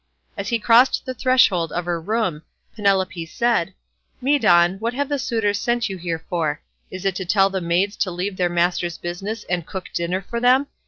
As he crossed the threshold of her room Penelope said: "Medon, what have the suitors sent you here for? Is it to tell the maids to leave their master's business and cook dinner for them?